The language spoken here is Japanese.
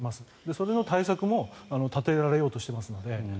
それの対策も立てられようとしていますので。